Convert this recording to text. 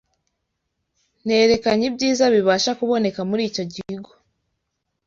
Nerekanye ibyiza bibasha kuboneka muri icyo kigo